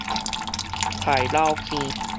待老坑